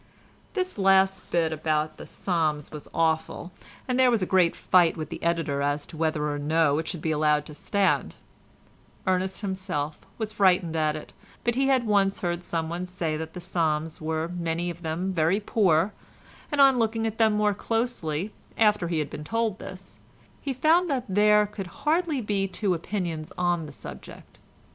This last bit about the Psalms was awful, and there was a great fight with the editor as to whether or no it should be allowed to stand. Ernest himself was frightened at it, but he had once heard someone say that the Psalms were many of them very poor, and on looking at them more closely, after he had been told this, he found that there could hardly be two opinions on the subject.